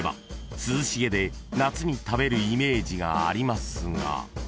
涼しげで夏に食べるイメージがありますが］